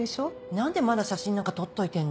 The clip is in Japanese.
何でまだ写真なんか取っといてんの？